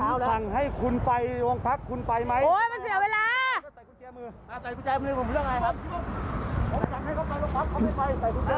ผมสั่งให้เขาไปลงพักเขาไม่ไป